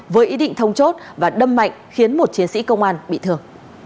với ý định thông chốt và đâm mạnh khiến một chiến sĩ công an bị thương